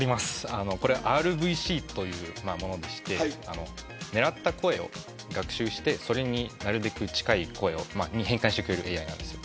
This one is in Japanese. ＲＶＣというものでして狙った声を学習してそれに近い声に変換してくれるＡＩです。